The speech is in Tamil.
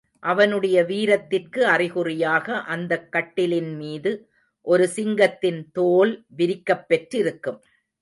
அவனுடைய வீரத்திற்கு அறிகுறியாக, அந்தக் கட்டிலின்மீது ஒரு சிங்கத்தின் தோல் விரிக்கப்பெற்றிருக்கும்.